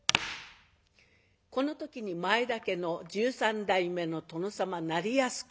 この時に前田家の１３代目の殿様斉泰公。